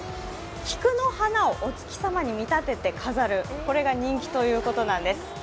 菊の花をお月様に見立てて飾る、これが人気ということです。